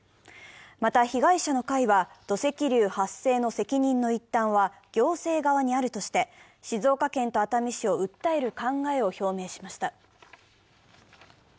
また、被害者の会は土石流発生の責任の一端は行政側にあるとして、静岡県と熱海市を訴える考えを表明しました。